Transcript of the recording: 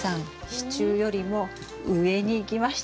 支柱よりも上にいきましたねとうとう。